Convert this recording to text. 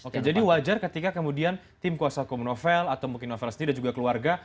oke jadi wajar ketika kemudian tim kuasa hukum novel atau mungkin novel sendiri dan juga keluarga